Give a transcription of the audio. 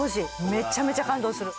めちゃめちゃ感動する。